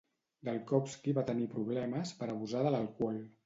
Dalkowski va tenir problemes per abusar de l'alcohol.